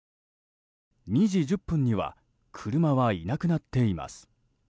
２時１０分には車はいなくなっています。